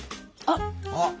あっ。